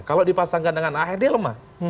kalau dipasangkan dengan aher dia lemah